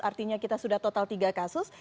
artinya kita sudah total tiga kasus